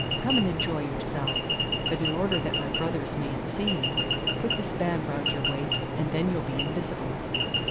Come and enjoy yourself, but in order that my brothers mayn't see you, put this band round your waist and then you'll be invisible.